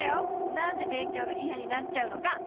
なんでべんきょうがいやになっちゃうのか。